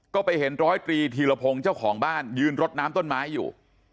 ก็ไปเห็นร้อยตรีธีรพงศ์เจ้าของบ้านยืนรดน้ำต้นไม้อยู่